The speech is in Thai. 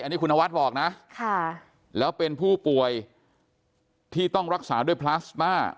อันนี้คุณนวัดบอกนะแล้วเป็นผู้ป่วยที่ต้องรักษาด้วยพลาสมา